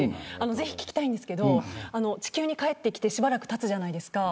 ぜひ聞きたいんですけれど地球に帰ってきてしばらくたつじゃないですか。